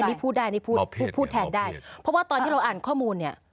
นี่พูดได้นี่พูดพูดแทนได้เพราะว่าตอนที่เราอ่านข้อมูลเนี่ย